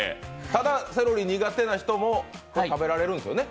ただ、セロリ苦手な人も食べられるんですよね？